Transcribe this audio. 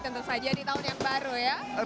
tentu saja di tahun yang baru ya